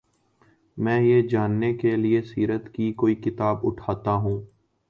میں یہ جاننے کے لیے سیرت کی کوئی کتاب اٹھاتا ہوں۔